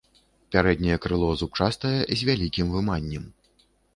Пярэдняе крыло зубчастае, з вялікім выманнем.